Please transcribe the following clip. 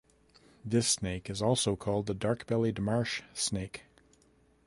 This snake is also called the dark-bellied marsh snake.